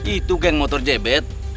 itu geng motor jebet